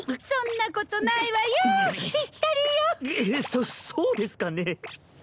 そそうですかね？